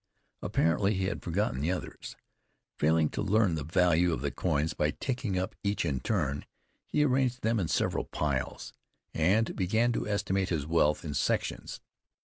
Apparently he had forgotten the others. Failing to learn the value of the coins by taking up each in turn, he arranged them in several piles, and began to estimate his wealth in sections.